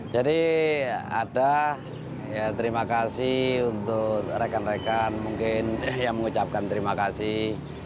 jadi ada ya terima kasih untuk rekan rekan mungkin yang mengucapkan terima kasih